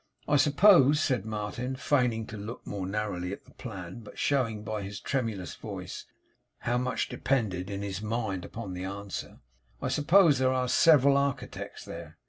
'I suppose,' said Martin, feigning to look more narrowly at the plan, but showing by his tremulous voice how much depended, in his mind, upon the answer; 'I suppose there are several architects there?